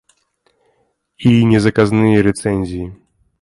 І не заказныя рэцэнзіі.